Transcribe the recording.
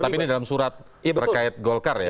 tapi ini dalam surat terkait golkar ya